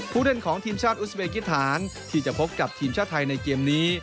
ผู้เล่นของทีมชาติอุสเบกิฐานที่จะพบกับทีมชาติไทยในเกมนี้